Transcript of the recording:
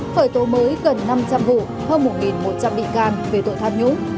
khởi tố mới gần năm trăm linh vụ hơn một một trăm linh bị can về tội tham nhũng